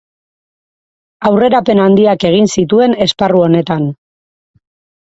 Aurrerapen handiak egin zituen esparru honetan.